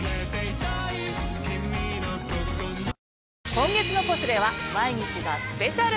今月の『ポシュレ』は毎日がスペシャル。